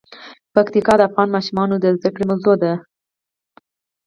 پکتیکا د افغان ماشومانو د زده کړې موضوع ده.